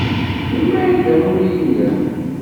Melmi ay d amulli-nnem?